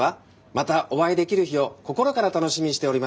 またお会いできる日を心から楽しみにしております。